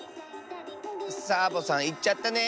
サボさんいっちゃったね。